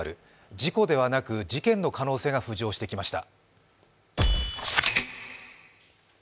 事故ではなく事件の可能性が浮上してきました。